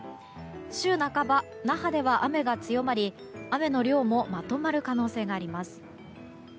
週半ば、那覇では雨が強まり雨の量もまとまる可能性があります。